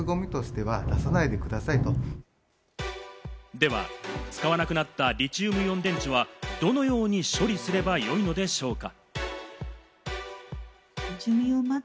では、使わなくなったリチウムイオン電池はどのように処理すればよいのでしょうか？